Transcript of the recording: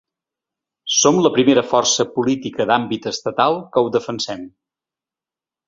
Som la primera força política d’àmbit estatal que ho defensem.